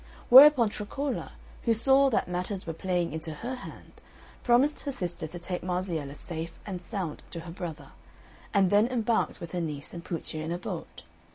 Whereupon Troccola, who saw that matters were playing into her hand, promised her sister to take Marziella safe and sound to her brother, and then embarked with her niece and Puccia in a boat.